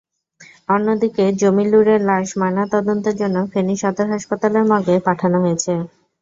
অন্যদিকে জমিলুরের লাশ ময়নাতদন্তের জন্য ফেনী সদর হাসাপাতালের মর্গে পাঠানো হয়েছে।